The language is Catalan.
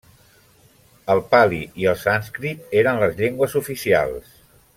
El pali i el sànscrit eren les llengües oficials.